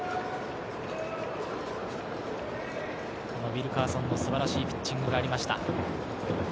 ウィルカーソンの素晴らしいピッチングがありました。